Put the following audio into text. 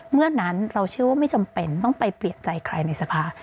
เมื่อนั้นเราเชื่อว่าไม่จำเป็นต้องไปเปลี่ยนใจใครในสภา